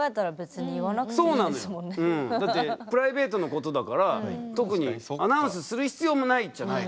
そうなのよだってプライベートのことだから特にアナウンスする必要もないっちゃない。